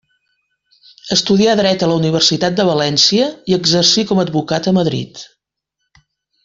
Estudià dret a la Universitat de València i exercí com a advocat a Madrid.